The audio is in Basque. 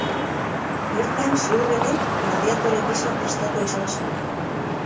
Bertan, ziurrenik, gladiatore gisa prestatua izan zen.